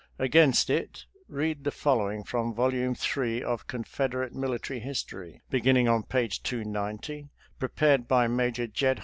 Against it, read the following from Volume III. of Confederate Military History, beginning on page 290, prepared by Major Jed.